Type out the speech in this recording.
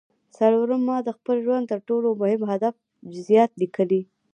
څلورم ما د خپل ژوند د تر ټولو مهم هدف جزييات ليکلي.